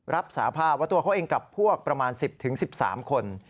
รับสาภาพว่าตัวเขาเองกับพวกประมาณ๑๐๑๓คน